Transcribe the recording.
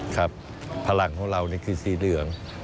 ครับพลังของเราคือสีเหลือง